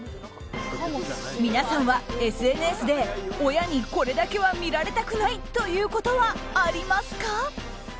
皆さんはＳＮＳで親にこれだけは見られたくないということはありますか？